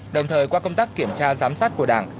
đồng thời qua công tác kiểm tra giám sát của đảng